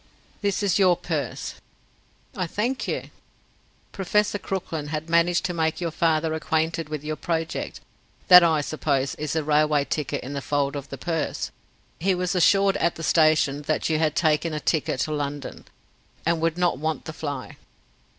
"This is your purse." "I thank you." "Professor Crooklyn has managed to make your father acquainted with your project. That, I suppose, is the railway ticket in the fold of the purse. He was assured at the station that you had taken a ticket to London, and would not want the fly."